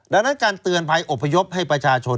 ดังนั้นการเตือนภายอบพยพ